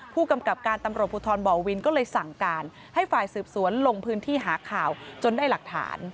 ผู้กำกับการตำรวจภูทรบ่อวินก็เลยสั่งการให้ฝ่ายสืบสวนลงพื้นที่หาข่าวจนได้หลักฐาน